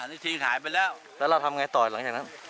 นี่ชิงหายไปแล้วแล้วเราทำไงต่อหลังจากนั้น